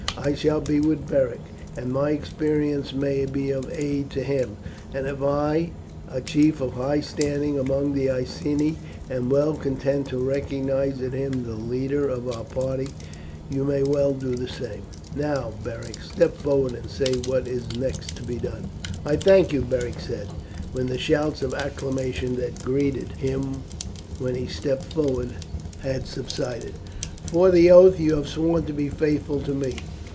I shall be with Beric, and my experience may be of aid to him. And if I, a chief of high standing among the Iceni, am well content to recognize in him the leader of our party, you may well do the same. Now, Beric, step forward and say what is next to be done." "I thank you," Beric said when the shout of acclamation that greeted him when he stepped forward had subsided, "for the oath you have sworn to be faithful to me.